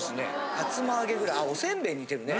さつま揚げぐらいあっおせんべいに似てるね。